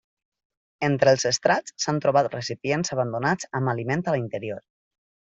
Entre els estrats s'han trobat recipients abandonats amb aliment a l'interior.